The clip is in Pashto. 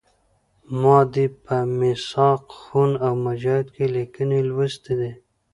ما دې په میثاق خون او مجاهد کې لیکنې لوستي دي.